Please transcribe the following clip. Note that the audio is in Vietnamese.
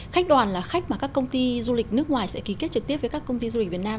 khách đoàn là khách mà các công ty du lịch nước ngoài sẽ ký kết trực tiếp với các công ty du lịch việt nam